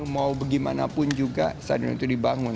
mau bagaimanapun juga stadion itu dibangun